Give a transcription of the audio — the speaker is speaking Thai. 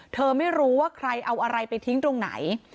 เธอไม่รู้ว่าใครเอาอะไรไปทิ้งตรงไหน